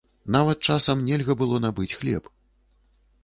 Нават часам нельга было набыць хлеб.